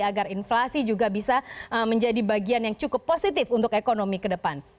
agar inflasi juga bisa menjadi bagian yang cukup positif untuk ekonomi ke depan